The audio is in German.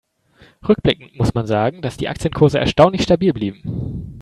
Rückblickend muss man sagen, dass die Aktienkurse erstaunlich stabil blieben.